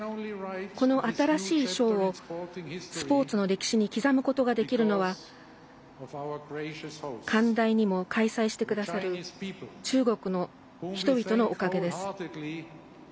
この新しい章をスポーツの歴史に刻むことができるのは寛大にも開催してくださる中国の人々のおかげです。